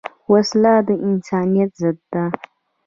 وسله د انسانیت ضد ده